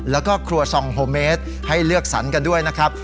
แล้วก็ครัวซองโฮเมสให้เลือกสรรกันด้วยนะครับ